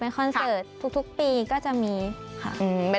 คอนเสิร์ตทุกปีก็จะมีค่ะ